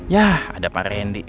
ya ada pak reddy